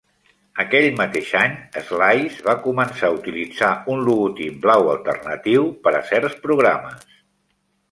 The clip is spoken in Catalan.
Aquell mateix any, Slice va començar a utilitzar un logotip blau alternatiu per a certs programes.